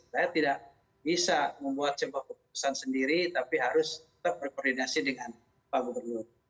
saya tidak bisa membuat sebuah keputusan sendiri tapi harus tetap berkoordinasi dengan pak gubernur